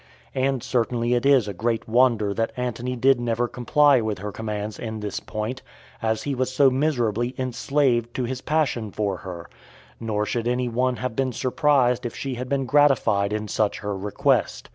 And certainly it is a great wonder that Antony did never comply with her commands in this point, as he was so miserably enslaved to his passion for her; nor should any one have been surprised if she had been gratified in such her request.